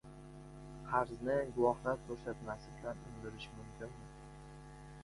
Qarzni guvohlar ko`rsatmasi bilan undirish mumkinmi?